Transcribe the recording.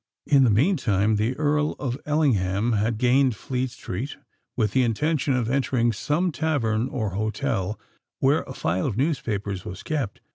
In the meantime the Earl of Ellingham had gained Fleet Street, with the intention of entering some tavern or hotel where a file of newspapers was kept.